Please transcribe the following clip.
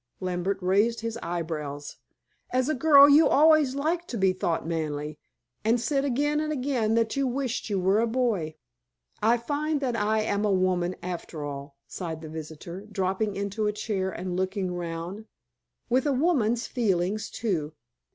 Lambert raised his eyebrows. "As a girl you always liked to be thought manly, and said again and again that you wished you were a boy." "I find that I am a woman, after all," sighed the visitor, dropping into a chair and looking round; "with a woman's feelings, too."